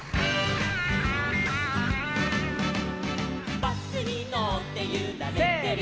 「バスにのってゆられてる」せの！